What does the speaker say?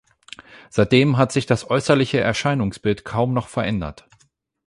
Seitdem hat sich das äußerliche Erscheinungsbild kaum noch verändert.